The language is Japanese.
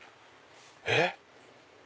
えっ？